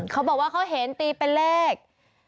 เขาบอกว่าเขาเห็นตีเป็นเลข